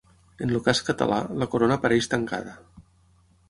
En el cas català, la corona apareix tancada.